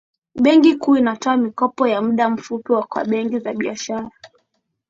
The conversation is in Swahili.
benki kuu inatoa mikopo ya muda mfupi kwa benki za biashara